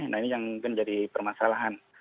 nah ini yang menjadi permasalahan